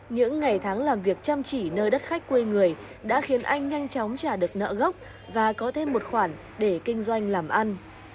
những ngày tháng làm việc chăm chỉ nơi đất khách quê người đã khiến anh nhanh chóng trả được nợ gốc và có thêm một khoản để kinh doanh làm ăn